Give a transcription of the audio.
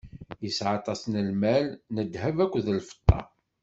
Isɛa aṭas n lmal, n ddheb akked lfeṭṭa.